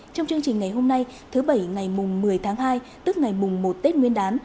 trong chương trình ngày hôm nay thứ bảy ngày mùng một mươi tháng hai tức ngày mùng một tết nguyên đán